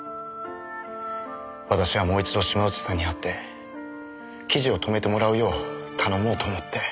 私はもう一度島内さんに会って記事を止めてもらうよう頼もうと思って。